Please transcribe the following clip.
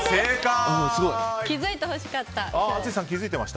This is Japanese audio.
気づいてほしかった！